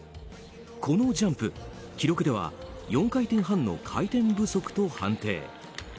このジャンプ、記録では４回転半の回転不足と判定。